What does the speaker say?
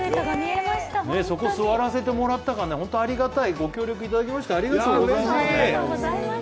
そこ座らせてもらったから本当にありがたい、ご協力いただきまして、ありがとうございます。